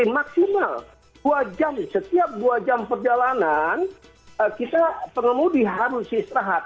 maksimal dua jam setiap dua jam perjalanan kita pengemudi harus istirahat